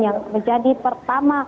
yang menjadi pertama